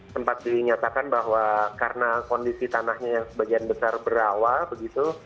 sempat dinyatakan bahwa karena kondisi tanahnya yang sebagian besar berawal begitu